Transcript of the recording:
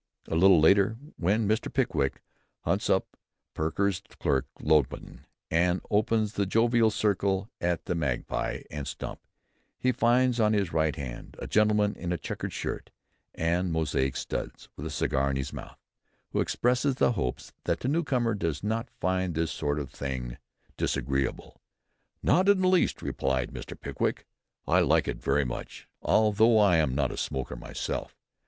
A little later when Mr. Pickwick hunts up Perker's clerk Lowten, and joins the jovial circle at the Magpie and Stump, he finds on his right hand "a gentleman in a checked shirt and Mosaic studs, with a cigar in his mouth," who expresses the hope that the newcomer does not "find this sort of thing disagreeable." "Not in the least," replied Mr. Pickwick, "I like it very much, although I am no smoker myself."